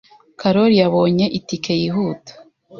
Karoli yabonye itike yihuta.